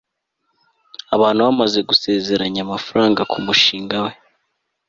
abantu bamaze gusezeranya amafaranga kumushinga we